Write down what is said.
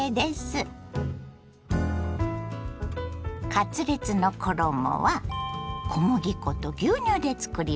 カツレツの衣は小麦粉と牛乳でつくります。